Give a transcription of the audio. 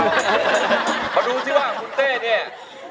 มาดูซิว่าคุณเต้เนี่ย